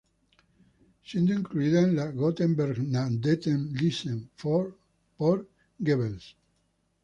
Siendo incluida en la Gottbegnadeten-Liste por Goebbels.